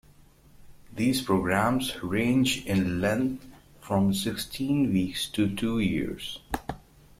These programs range in length from sixteen weeks to two years.